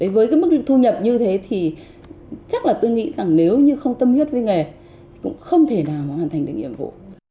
với cái mức thu nhập như thế thì chắc là tôi nghĩ rằng nếu như không tâm huyết với nghề cũng không thể nào mà hoàn thành được nhiệm vụ